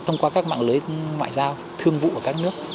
thông qua các mạng lưới ngoại giao thương vụ của các nước